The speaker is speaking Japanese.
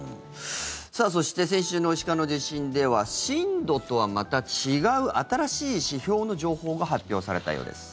そして先週の石川の地震では震度とはまた違う新しい指標の情報が発表されたようです。